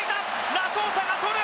ラソーサがとる。